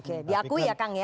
oke diakui ya kang ya